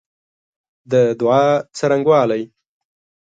د دعا څرنګوالی